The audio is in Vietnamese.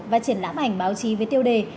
và triển lãm ảnh báo chí với tiêu đề